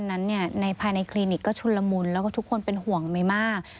เนี่ยในคลิกชุ่นละมุนแล้วก็ทุกคนเป็นห่วงไหมมาก